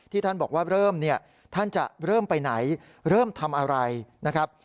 ท่านบอกว่าเริ่มเนี่ยท่านจะเริ่มไปไหนเริ่มทำอะไรนะครับ